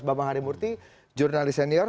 mas bambang harimurti jurnalist senior